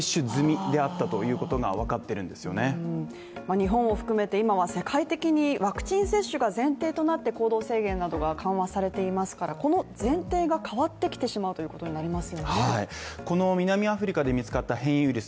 日本を含めて今は世界的にワクチン接種が前提となって行動制限などが緩和されていますから前提が変わってきてしまうということになります